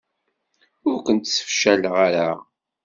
Ur kent-sefcaleɣ ara.